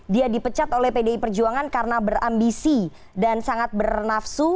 dia dipecat oleh pdi perjuangan karena berambisi dan sangat bernafsu